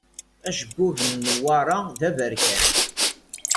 Acebbub n Newwara d aberkan.